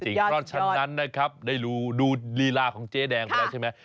เพราะฉะนั้นนะครับได้ดูลีลาของเจ๊แดงไปแล้วใช่ไหม